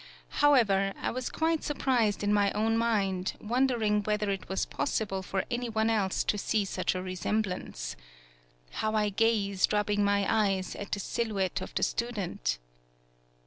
However, I was quite surprised in my own mind, wondering whether it was possible for anyone else to see such a resemblance. How I gazed, rubbing my eyes, at the silhouette of the student